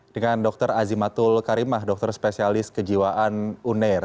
dengan dr azimatul karimah dokter spesialis kejiwaan uner